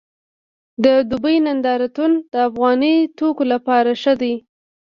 د دوبۍ نندارتون د افغاني توکو لپاره ښه دی